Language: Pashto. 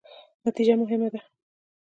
نتیجه مهمه ده